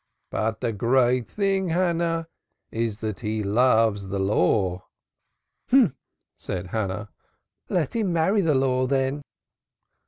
But the great thing, Hannah, is that he loves the Law." "H'm!" said Hannah. "Let him marry the Law, then."